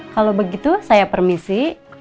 kalau begitu saya permisi